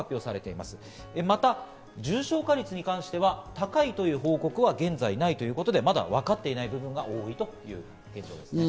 また、重症化率に関しては高いという報告は現在ないということで、まだわかっていない部分が多いということです。